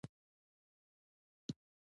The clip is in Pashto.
دا هڅونه لا زیاتو فکرونو ته ده.